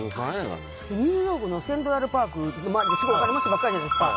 ニューヨークのセントラルパークってすごいお金持ちばっかりじゃないですか。